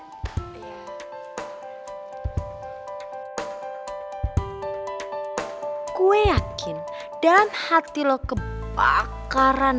gue yakin dalam hati lo kebakaran